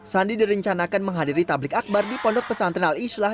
sandi direncanakan menghadiri tablik akbar di pondok pesantren al islah